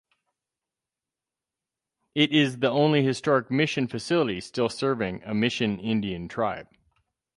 It is the only historic mission facility still serving a Mission Indian tribe.